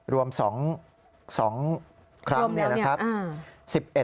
รวม๒ครั้งรวมแล้วเนี่ยนะครับ